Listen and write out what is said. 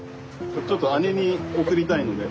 ちょっと姉に送りたいので。